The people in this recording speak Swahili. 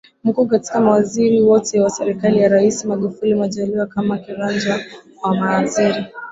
Mkuu Katika mawaziri wote wa serikali ya Rais Magufuli Majaliwa kama kiranja wa mawaziri